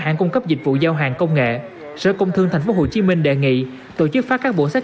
nhà cung cấp dịch vụ giao hàng công nghệ sở công thương tp hcm đề nghị tổ chức phát các bộ sách